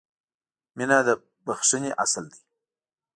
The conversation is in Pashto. • مینه د بښنې اصل دی.